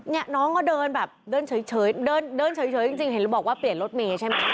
เนี่ยน้องก็เดินแบบเดินเฉยเดินเดินเฉยจริงเห็นบอกว่าเปลี่ยนรถเมย์ใช่ไหม